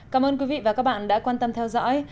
cảm ơn quý vị và các bạn đã quan tâm theo dõi